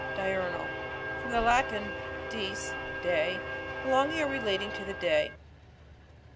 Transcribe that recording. Diurnal. — From the Latin, dieg, day. Belonging or relating to the day.